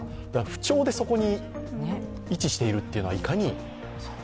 不調でそこに位置しているというのは、いかに。